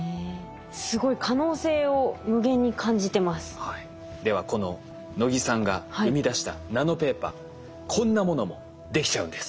すごいではこの能木さんが生み出したナノペーパーこんなものもできちゃうんです。